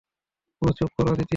ওহ চুপ কর, আদিতি।